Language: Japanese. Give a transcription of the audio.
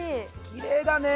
きれいだね！